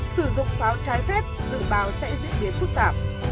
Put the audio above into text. sử dụng pháo trái phép dự bào sẽ diễn biến phức tạp